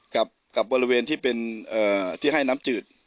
กับบริเวณที่ให้น้ำจืด